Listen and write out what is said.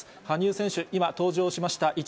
羽生選手、今、登場しました。